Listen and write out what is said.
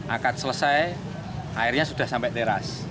akad selesai airnya sudah sampai teras